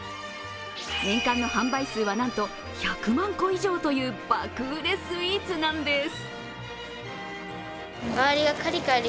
年間の販売数は、なんと１００万個以上という爆売れスイーツなんです。